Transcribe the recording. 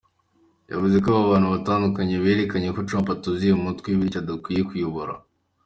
Yavuze ko abo bantu banatandukanye berekanye ko Trump atuzuye mu mutwe bityo adakwiriye kuyobora.